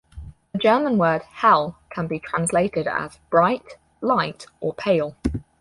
The German word "hell" can be translated as "bright", "light", or "pale".